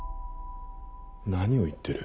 何を言ってる？